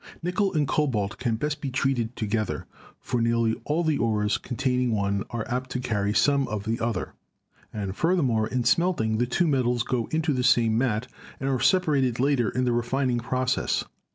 Nickel and Cobalt can best be treated together, for nearly all the ores containing one are apt to carry some of the other, and furthermore, in smelting, the two metals go into the same matte, and are separated later in the re fining process.